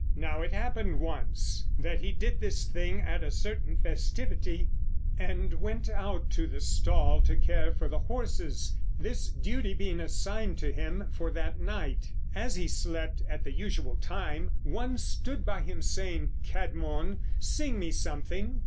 Now it happened once that he did this thing at a certain festivity, and went out to the stall to care for the horses, this duty being assigned to him for that night. As he slept at the usual time, one stood by him saying: "Cædmon, sing me something."